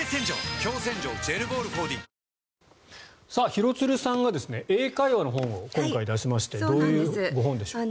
廣津留さんが英会話の本を今回、出しましてどういうご本でしょうか？